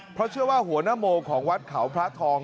เพราะเชื่อว่าหัวนโมของวัดเขาพระทอง